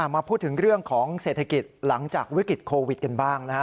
มาพูดถึงเรื่องของเศรษฐกิจหลังจากวิกฤตโควิดกันบ้างนะฮะ